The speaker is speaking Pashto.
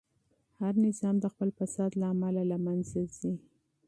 هر نظام د خپل فساد له امله له منځه ځي.